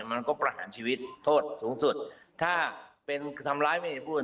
มันก็ประหารชีวิตโทษสูงสุดถ้าเป็นทำร้ายไม่ได้พูด